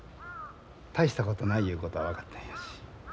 大したことないいうことは分かったんやし。